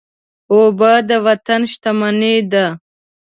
اوبه د وطن شتمني ده.